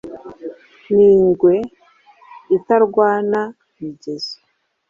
N'ingwe itarwana migezo